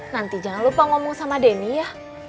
nanti jangan lupa ngomong sama denny ya